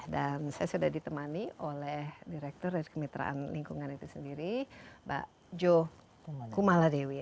dan saya sudah ditemani oleh direktur dari kemitraan lingkungan itu sendiri mbak jo kumaladewi